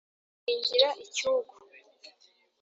Iyishyingira icyugu,